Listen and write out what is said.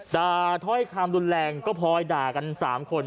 ถ้อยคำรุนแรงก็พลอยด่ากัน๓คน